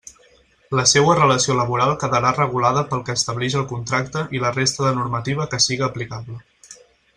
La seua relació laboral quedarà regulada pel que establix el contracte i la resta de normativa que siga aplicable.